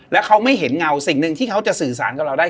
และเขาไม่เห็นเงาสิ่งหนึ่งที่เขาจะสื่อสารกับเราได้